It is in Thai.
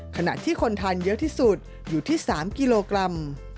ขณะที่คนทานเยอะที่สุดอยู่ที่๓กิโลกรัม